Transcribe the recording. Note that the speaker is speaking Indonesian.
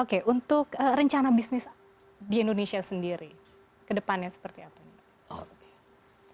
oke untuk rencana bisnis di indonesia sendiri ke depannya seperti apa ini